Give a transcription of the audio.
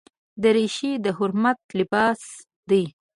دریشي د حرمت لباس دی.